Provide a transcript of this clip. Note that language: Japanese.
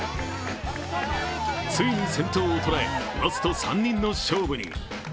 ついに先頭を捉え、ラスト３人の勝負に。